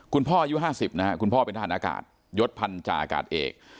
คุณพ่อยู่๕๐คุณพ่อเป็นทหารอากาศยศพันธุ์จากอากาศเอก